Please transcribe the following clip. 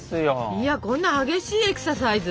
いやこんな激しいエクササイズ？